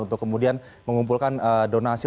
untuk kemudian mengumpulkan donasi